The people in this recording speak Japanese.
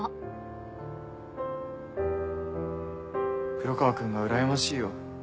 黒川君がうらやましいよ。